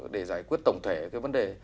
để giải quyết tổng thể cái vấn đề